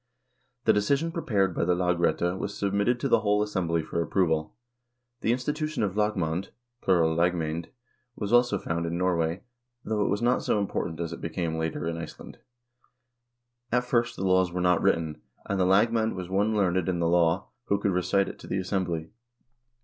The decision prepared by the lagrette was submitted to the whole assembly for approval. The institution of lagmand (plu. lagmcend) was also found in Norway, though it was not so important as it became later in Iceland. At first the laws were not written, and the lagmand was one learned in the law, who could recite it to the assembly.